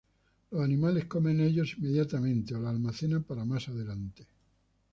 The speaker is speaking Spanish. Los animales comen ellos inmediatamente o la almacenan para más adelante.